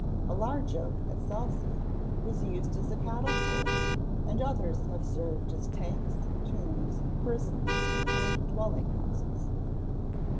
A large oak at Salcey, was used as a cattle fold; and others have served as tanks, tombs, prisons, and dwelling houses.